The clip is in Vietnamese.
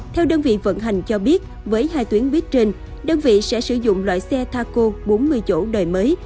theo đơn vị vận hành cho biết với hai tuyến buýt trên đơn vị sẽ sử dụng loại xe taco bốn mươi chỗ đời mới